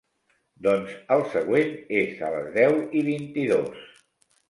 Doncs el següent és a les deu i vint-i-dos.